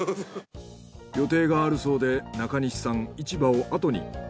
予定があるそうで中西さん市場をあとに。